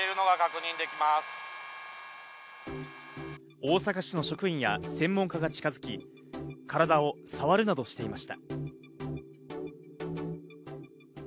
大阪市の職員や専門家が近づき、体を触わるなどしていました。